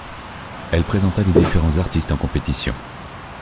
Elle présenta les différents artistes en compétition.